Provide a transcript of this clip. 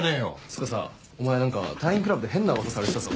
つかさお前何か隊員クラブで変な噂されてたぞ。